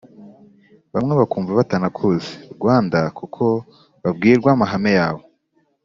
Bamwe bakumva batanakuzi Rwanda Kuko babwirwa amahame yawe